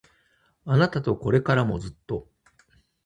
あなたとこれからもずっと